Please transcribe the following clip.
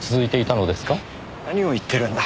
何を言ってるんだ。